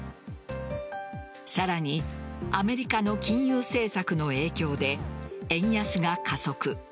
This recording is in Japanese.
さらにアメリカの金融政策の影響で円安が加速。